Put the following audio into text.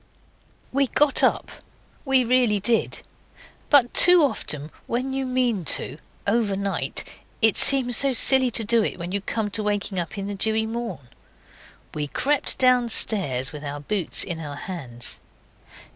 We got up. We really did. But too often when you mean to, overnight, it seems so silly to do it when you come to waking in the dewy morn. We crept downstairs with our boots in our hands.